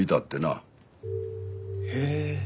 へえ。